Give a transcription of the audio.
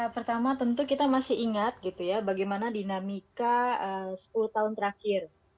pertama tentu kita masih ingat gitu ya bagaimana dinamika sepuluh tahun terakhir